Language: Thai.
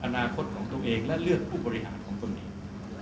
อนาคตของตัวเองและเลือกผู้บริหารของตนเอง